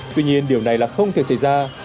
tuy nhiên điều này là không thể xảy ra